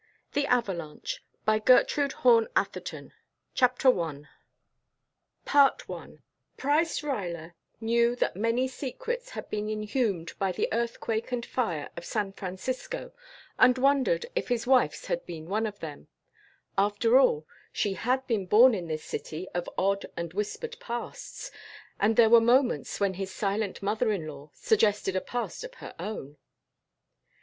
THE AVALANCHE A MYSTERY STORY BY GERTRUDE ATHERTON 1919 TO CHARLES HANSON TOWNE CHAPTER I I Price Ruyler knew that many secrets had been inhumed by the earthquake and fire of San Francisco and wondered if his wife's had been one of them. After all, she had been born in this city of odd and whispered pasts, and there were moments when his silent mother in law suggested a past of her own.